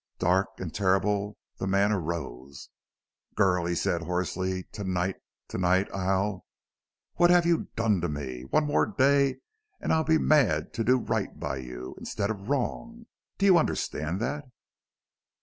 Dark and terrible the man arose. "Girl," he said, hoarsely. "To night to night I'll.... What have you done to me? One more day and I'll be mad to do right by you instead of WRONG.... Do you understand that?"